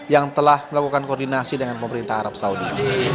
yang telah melakukan koordinasi dengan pemerintah arab saudi